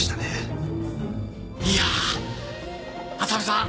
いやぁ浅見さん。